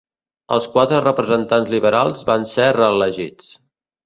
Els quatre representants liberals van ser reelegits.